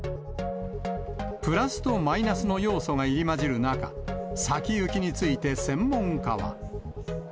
プラスとマイナスの要素が入り交じる中、先行きについて専門家は。